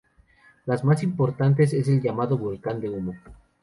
La más importante es el llamado Volcán de Humo.